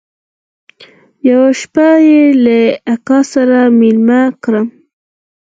يوه شپه يې له اکا سره ميلمه کړم.